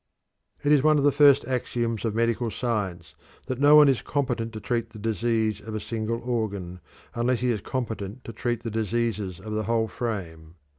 It is one of the first axioms of medical science that no one is competent to treat the disease of a single organ unless he is competent to treat the diseases of the whole frame.